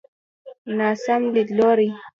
ناسم ليدلوری.